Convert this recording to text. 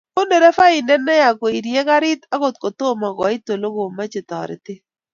Ko derevaindet neya koirie karit akot kotomo koit ole kamache toretet